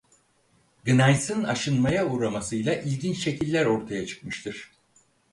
Gnaysın aşınmaya uğramasıyla ilginç şekiller ortaya çıkmıştır.